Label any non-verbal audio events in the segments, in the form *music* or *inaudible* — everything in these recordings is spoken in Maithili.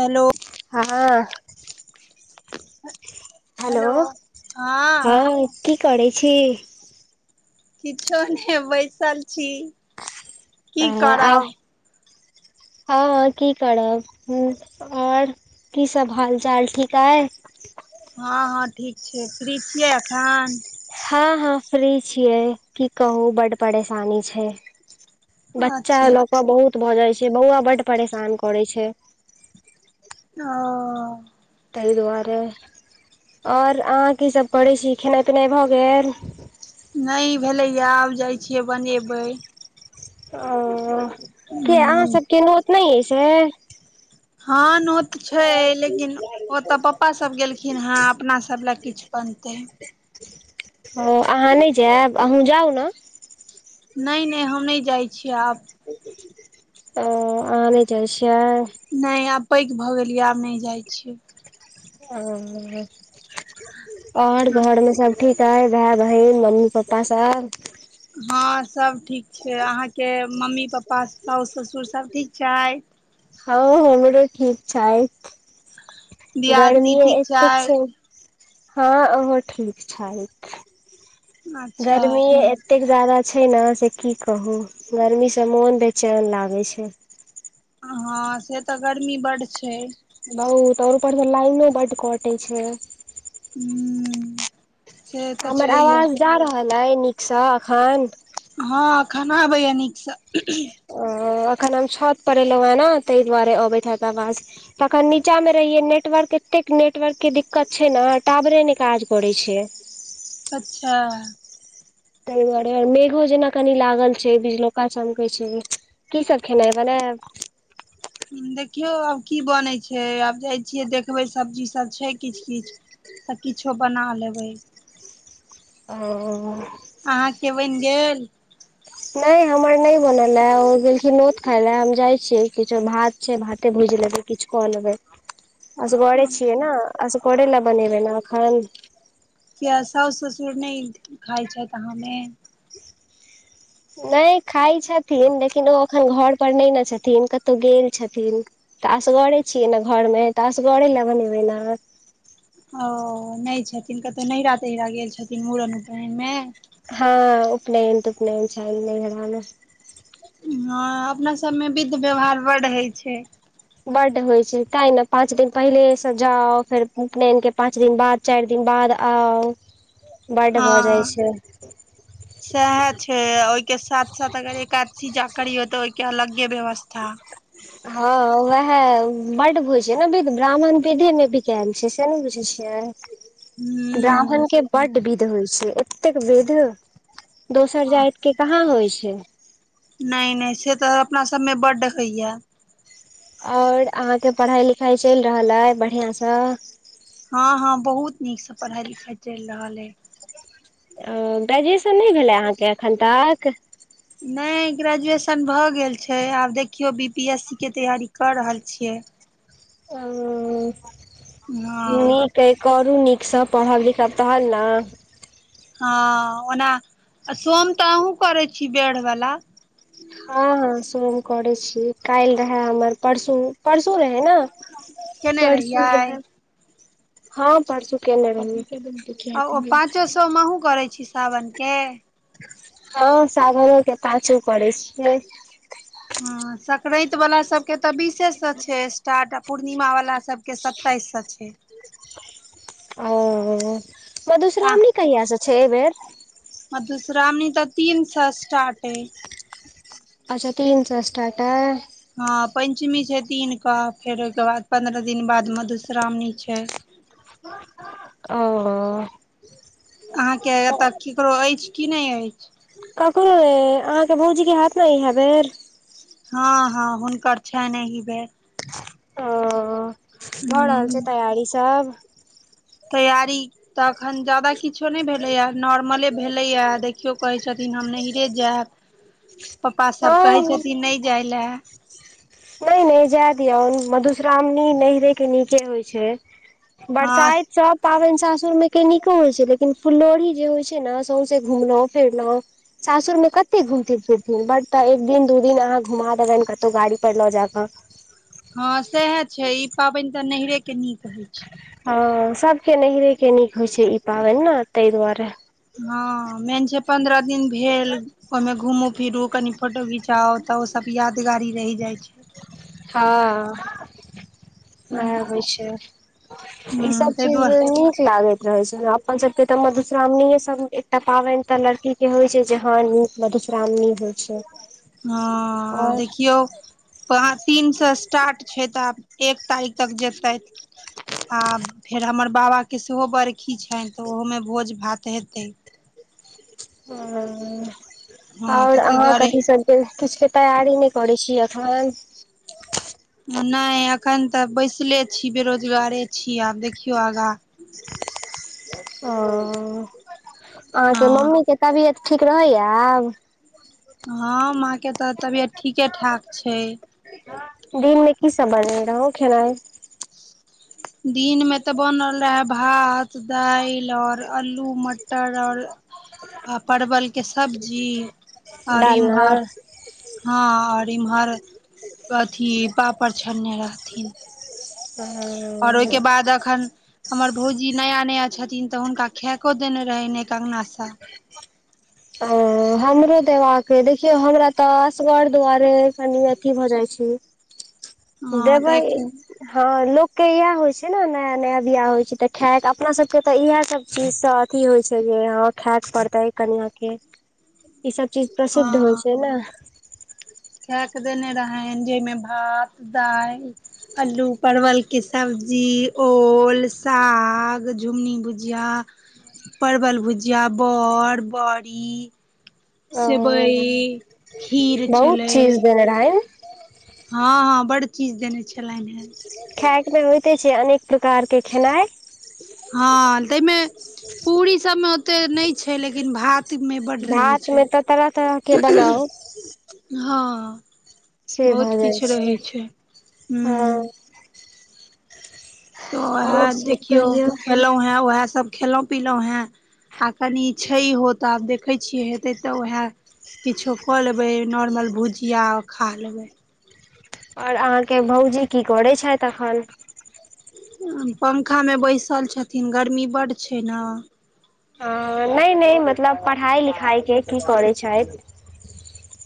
हेलो हाँ हाँ हेलो हाँ की करै छी किछो नय बैसल छी की करब हाँ हाँ की करब हु ओर की सब हाल चाल ठीक अइ हाँ हाँ ठीक छैय फ्री छियै एखन हाँ हाँ फ्री छियै की कहू बड्ड परेशानी छैय बच्चा अच्छा लऽ कऽ बहुत भऽ जाइ छैय बौआ बड्ड परेशान करैत छैय ओ तेय दुआरे ओर अहाँ कीसभ करेय छी खेनाइ पेनाइ भऽ गेल नय भेलै आब जाइ छियै बनेबै ओ किया ह अहाँ सबके नोत नय ये से हाँ नोतऽ छैय लेकिन ओतऽ पप्पा सब गेलखिन हेँ अपना सब लए किछ बनते ओ अहाँ नय जायब अहूँ जाउ नय नय नय हम नय जाइ छीिय आब ओ अहा नहि जाय छियै नहि आब पैग भऽ गेलियै आब नहि जाइत छियै ओ आओर घरमे सब ठीक हइ भ‌एय बहिन मम्मी पप्पा सब हाँ सब ठीक छै अहाँके मम्मी पापा साास ससुर सभ ठीक छैय। हाँ हमरो ठीक छैइथ गर्मी दियादनी ठीक एतेक छै छथि हाँ ओहो ठीक छैइथ अच्छा गर्मीए एतेक जादा छै ने से की कहू गर्मी से मोन बेचैन लागै छै हाँ से तऽ गर्मी बड छै बहुत आ उपरस तऽ लाइनो बड कटे छै हूँ से तऽ हमर छैहे आवाज जा रहल अइ नीकसँ अखन हं अखन आबैए नीकसँ अ अखन हम छत पर एलहुँ हेँ ने ताहि दुआरे अबैत हेत आवाज तखन नीचा मे रहियै नेटवर्क एतेक नेटवर्क के दिक्कत छै ने आ टावरे नै काज करै छै अच्छा। तय दुआरे मेघो जेना कनि लागल छै बिजलोका चमकै छै। की सब खेनाइ बनेब हु देखियौ आब की बनै छै आब जाय छियै देखबै सब्जी सब छै किछ किछ त किछो बना लेबै। ओ। अहाँके वैन गेल। नय हमर नय बनल हे ओ गेलखिन नोत खायलै हम जाइ छिय किछो भात छै भाते भूजि लेबै। किछ क लेबै। *inaudible* असगोरे छियै ने असगरे ले बनेबै न अखन। किया साउस ससुर नै खाइ छथि अहाँ में। नै खाइ छथिन लेकिन ओ अखन घर पर नै न छथिन कतौ गेल छथिन। तऽ असगरे छियै ने घरमे तऽ असगरे ल‌ बनेबै ना। ओ नैय छथिन कतौ नैहरा तैहरा गेल छथिन मुड़न उपनैन में। हँ उपनैन तुपनैन छलै नहिरा में हाॅं अपना सबमें विध व्यवहार बड हय छै। बड होइ छै तैय न पाँच दिन पहिले स जाऊ फेर उपनैन के पाँच दिन बाद। चारि दिन बाद आउ बड्ड भऽ जाइ छै। ची। *inaudible* सैहे छै ओय के साथ साथ अगर एकादशी जाग करियो त ओय के अलगे व्यवस्था छै। *unintelligible* हाॅं व्यहै बड बुझै ने बिद ब्राह्मण बिद्धे में बिकेल छै से नैय बुझै छियै। हूॅं। ब्राह्मण के बड विध होइ छै एतेक विध दोसर जायत के। कहाँ होइ छै त। नै नै से तऽ अपना सबमे बड हया आओर अहाँके पढ़ाई लिखाई चैल रहलय बढ़ियास। हाॅं हाॅं बहुत नीकसँ पढ़ाय लिखाय चैल रहलै। ओ, गायजेशन नहि भेलै अहाँके अखन तक। नै ग्रेजुएशन भऽ गेल छै आब देखयो बी पी एस सी के तैयारी कऽ रहल छियै। ओ हँ निक *inaudible* करू नीकसँ पढ़ब लिखब तहन न हाॅं ओना आ सोम तऽ आहुँ करै छी बेड़ बला हाॅं हाॅं सोम करै छी काइल रहै हमर परसू परसू रहै न केने रहियाय हम परसु केने रहीएय *inaudible* आ ओ पाँचो सोम आहु करै छी सावन के हाॅं सावनो के पाँचो करै छिय हाॅं सकरैत वला सबके तऽ बिसे सॅं छै स्टार्ट पुर्णिमा वला सबके सताइस सॅं छै ओ होहो आ मधुश्रावणी कहिया सॅं छै ऐय बेर मधुश्रावणी तऽ तीन सॅं स्टार्ट हैय अच्छा तीन सॅं स्टार्ट अय हां पैंञ्चमी छै तीन क फेर ओयके बाद पन्द्रह दिन बाद मधुश्रावणी छै ओऽ अहाँके एतय किकरो अइछ कि नै अइछ ककरो ऐ अहाँके भौजी के हैत नै इहै बेर हँ हँ हुनकर छैन ऐ ही बेर ओ भऽ रहल छै हूँ तैयारी सब तैयारी तऽ अखन ज्यदाा किछो नय भेलैएा नॉर्मले भेलेएा देखियो कहै छी छथिन हम नहिरे जैब प्पा हँ सब कहै छथिन नै जाय लै नै नै जैय दियौ मधुश्रावणी नैहरे के निके होइ छै हँ बरसाइत सब पाबैन सासुर में के नीको होइ छै लेकिन फुलोढ़ी जे होइ छै ना सौंसे घुमलहुँ फिरलहुँ ससुरमे कत घुमती फिरतीन ब तऽ एक दिन दू दिन अहाँ घुमा देबइन कतौ गाड़ी पर लऽ जाकऽ हँ सएह छै ई पाबइन तऽ नैहरे के नीक होय छै हँ सभके नैहरेके नीक होइत छै ई पाबनि ने तैइ दुआरे हँ मेन छै पंन्द्रह दिन भेल ओइमे घूमू फिर ओ कनि फोटो घिचाउ तऽ ओ सभ यादगारी रहि जाइ छै हँ उएह होइ छै ई सब ताहि चीज दुआरे नीक लागैत रहे छै अपन सबके के तऽ मधुश्रावणीे सब एकटा पाबेन तऽ लड़की के होइ छै जे हँ न मधुश्रावणी होइ छै हँ देखियौ पच तीन से स्टार्ट छै तऽ आब एक तारीख तक जेतैथ आ फेर हमर बाबाके सेहो बरखी छैन तऽ ओहोमे भोज भात हेतै *inaudible* हँ तऽ ओर ताहि अहाँ दुआरे कथी सब किछु के तैयारी नय करै छी अखन नय एखन तऽ बैसले छी बेरोजगारे छी आब देखियौ आगाँ ओ अहाँके हँ मम्मीके तबियत ठीक रहैया आब हँ माँ के तऽ तबियत ठीके ठाक छय दिन मे की सब बनै रहौ खेनाइ दिन में ते बनल रहे भात दालि आओर आल्लू मटर आओर आ परवलके सब्जी आओर डालना कुम्हार हँ और इम्हर अथी पापड़ छन्ने रहथिन और ओहिके बाद ह अखन हमर भौजी नया नया छथिन तऽ हुनका खेको देने रहे ने अंगगना से *inaudible* ओ हमरो देबाक हे देखियऔ हमरा तऽ असगर दुआरे ह कनि अी भऽ जाइ छी *inaudible* तऽ गेबयी एक हँ लोकके इएह होइ छै ने नया नया बियाह होइ छै तऽ खायक अपना सबके तऽ इएह सब चीज सब अी होइ छै जे य खायके पड़तै कनिय के ई सब चीज प्रसिद्ध होइ हँ छै ने खा कऽ देने रहै जाहिमे भात दालि अलू परवलके सब्जी ओल साग झुङ्गुनी भुजिया परवल भुजिया बड़ बड़ी ओ सेवइ खीर बहुत छलै चीज देेल रहै हँ हँ बड चीज देने छलनि हेँ खाय के मे होइते छै अनेक प्रकार के खेनाइ हँ ताहिमे पूरी सबमे ओते नहि छै लेकिन भात मे बड रहे भात छै मे तऽ तरह तरहके बनाउ हँ से बहुत भऽ जाइ किछु रहै छै ह हँ तऽ वएह देखियौ खेलौॅं हें वएह सभ खयलहुँ पीिलहुँ हेँ आ कनि छैहो तऽ आब देखैत छियै हेतै तऽ उएह किछो कऽ लेबै नॉर्मल भुजआ खा लेबै आओर अहाँके भौउजी की करै छथि अखन पंखा मे बैसल छथिन गर्मी बड छैय नहि हाँ नहि नहि मतलब पढ़ाइ लिखाइके की करैत छैथ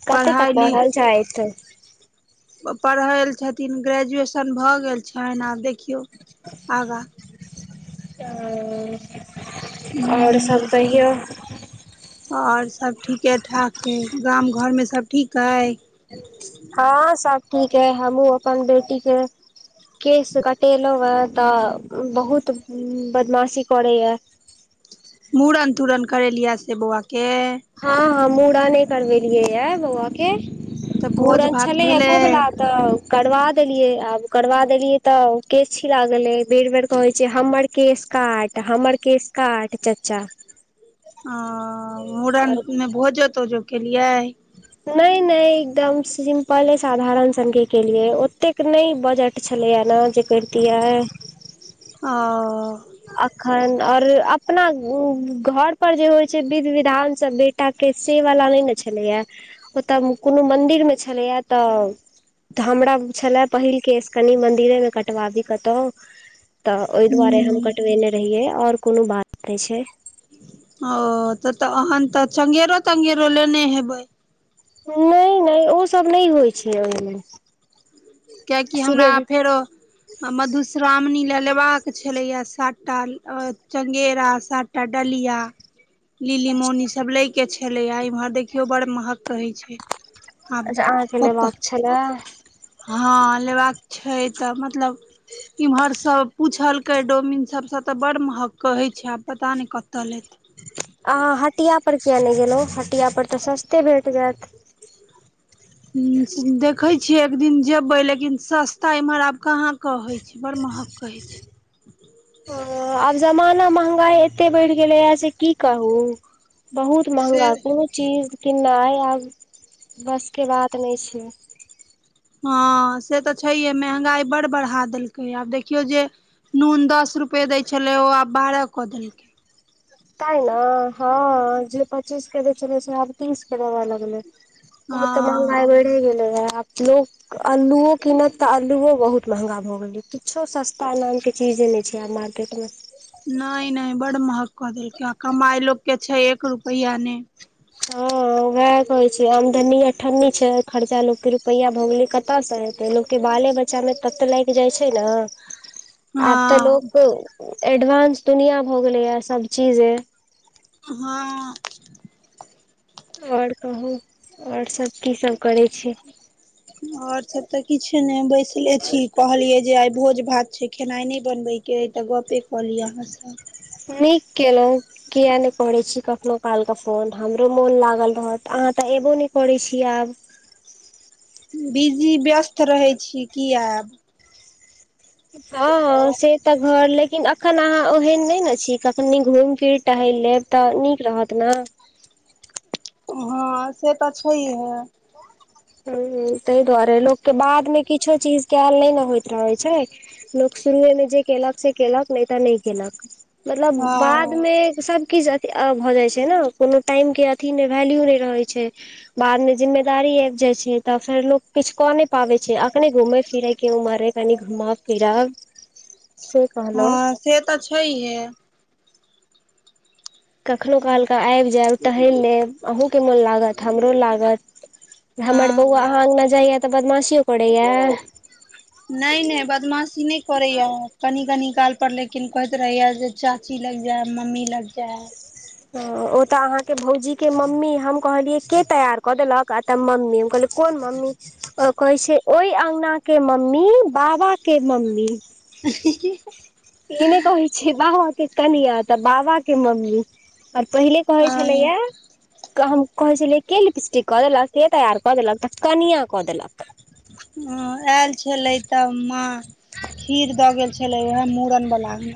कते तक पढ़ाइ पढ़ल छैथ। पढ़ै छथिन ग्रेजुएशन भऽ गेल छैन आब देखियौ आगाँ आओर सब कहिौ आओर सभ ठीके ठाक अइ गाम घोरमे सभँ ठीक अइ हाँ सब ठीक है हमहुँ अपन बेटी के केश कटेलहुँं हे तऽ बहुत बदमाशी करैया मूड़न तूुरण करेलियै से बौआ केेय हाँ हाँ मुूड़न करवेलियै ये बौआ के तऽ भोज मुूड़न भात छले हे कोबला भेलै तऽ करबा देलियै आब करबा देलियै तऽ केस छिला गेलै बेर बेर कहैत छैय हमर केश काट हमर केश काट चचा अ मुूड़न आओर मे भोजो तोजो केलियै नहि नहि एकदम सिम्पल हे साधारण सङग के लिए ओते नहि बजट छलैया ने जे करितियै ओ अखन और अपना घर पर जेय होइ छैय विध विधान सब बे टाक के से वला नहि ने छलैया ओतय कोनो मन्दिर मे छलैया तऽ तऽ हमरा छलै पहिल केश कनि मन्दिरे केँ कटबा बी कतौ तऽ ओइ ह दुआरे हम कटबेने रहियै और कोनो बात नै छैय। ओ त तऽ ओहन तऽ चंगेरो तंगेरो लेने हेबेय नै नै ओसभ नै होइ छैय ओइमे किएकि हमरा आ फेरो मधुश्रावणी ले लेबाक छले या सातटा चंगेरा सातटा डलिया लिली मौनी सब ले केँ छले आ इम्हर देखियो बड़ महंग कहै छैय। अच्छा अहाँकेँ लेबाक छलै हँ लेबाक छैय तऽ मतलब इम्हर सब पूछलकै डोमिन सब स तऽ बड़ महंग कहै छैय आब पता नै कतय लेतै अहाँ हटिया पर किया नै गेलौ हटिया पर तऽ सस्ते भेट जैत देखे छिय एक दिन जेबे लेकिन सस्ता इम्हर आब कहाँ कहे छै बड़ महंग कहै छैय ओ आब जमाना महंगाई एते बढ़ि गेलै हे से की कहू बहुत से महँगा कोनो चीज किननाय आब बस केँ बात नै छैय। हाँ से तऽ छैहे महंगाई बड़ बढ़ा देलकै आब देखियौ जेय नून दस रुपे दै छलै ओ आब बारह कऽ देलकै तैय न हऽ जे पच्चीस केँ दैय छलै से आब तीस केँ देबैय लगलै ओ तऽ हँ महंगाई बढ़ि गेलै रहै आब तऽ लोक अल्लूयो कीनत तऽ अल्लुओ बहुत महंगा भऽ गेलै किछो सस्ता नाम केँ चीज नै छैय आब मार्केटमे नै नै बड महंग कऽ देलकै आ कमाय लोक केँ छैय एक रुपैआ नै ह ऽ उहै कहेय छैय आमदनी अठन्नी छैय खर्चा लोक केँ रुपैया भऽ गले कत से हेते लोक केँ बाले बच चा में त तऽ लाइ जाइ छैय न *unintelligible* आब तऽ हँ लोक एडवांस दुनिया भऽ गेले या सब चीजे हँ और कहू और सभ की सभ करै छीय और सब तऽ किछ नै बैसले छी कहलिये जे आइ भोज भात छै खेनाइ नै बनबे केँ य तऽ गप कऽ लिय अहाँ स नीक केलौ किया नै करै छी कखनो काल केँ फोन हमरो मोन लागल रहत अहाँ तऽ एबो नै करै छीय आब बिजी व्यस्त रहै छीय की आब हँ से तऽ घर लेकिन अखन अहाँ ओहन नै न छी कखनी घुमि फिर टहल लेब तऽ नीक रहत न हँ से तऽ छैहे हु तैय दुआरे लोक केँ बाद में चीज कयल नै न होइत रहैत छै लोक शुरुएमे जे केलक से केलक नै तऽ नै केलक मतलब बाद हँ में सब कीछ से आ भऽ जाइ छै ने कोनो टाइम के अथी मे वैल्यू नै रहय छै बाद में जिम्मेदारी आ जाइ छै तऽ फेर लोग किछ कऽ नै पाबे छै अखनी घूमेए फिरे केँ उमर कनि घूमब फिरब *unintelligible* से कहलौ हँ से तऽ छैहे कखनो कालके आइब जायब टहेल लेब अहूँके मोन लागत हमरो लागत हमर बौआ हँ अहाँ अङ्गना जाइया तऽ बदमाशियो करैया नय नय बदमाशी नय करेया कनी कनी काल परर लेकिन कहैत रहैया जे चाची लाग जाए मम्मी लाग जाए ओ तऽ अहाँके भौजी के मम्मी हम कहलियै के तैयार कऽ देलक कहता मम्मी कहलै कोन मम्मी ओ कहै छै ओहि अङगना के मम्मी बाबा के मम्मी ई ने कहै छै बाबा के कनिया तऽ बाबा के मम्मी ओर पहिले कहै छलैया जायब हम कहै छलियै के लिप्स्टिक कऽ देलक के तैयार कऽ देलक तऽ कनिया कऽ देलक ह आयल छलै तऽ माँ खीर द गेल छले उहे मूड़न वाला ह